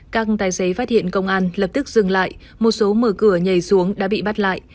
các tài xế phát hiện công an lập tức dừng lại một số mở cửa nhảy xuống đã bị bắt lại